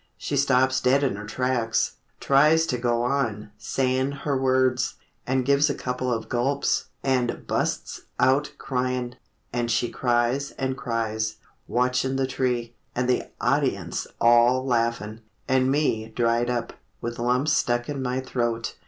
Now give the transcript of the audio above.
She stops dead in her tracks, tries to go on Sayin' her words—and gives a couple of gulps, And busts out cryin'. And she cries, and cries, Watchin' the tree. And the audience all laughin', And me dried up, with lumps stuck in my throat....